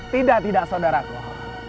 tidak tidak sodara ku